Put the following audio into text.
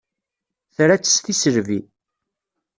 Tra-tt s tisselbi.